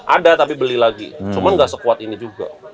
ada tapi beli lagi cuma nggak sekuat ini juga